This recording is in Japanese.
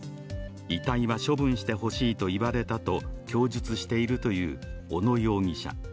遺体は処分してほしいと言われたと供述しているという小野容疑者。